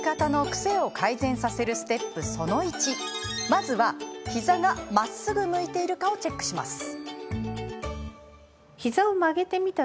まずは膝がまっすぐ向いているかをチェックします。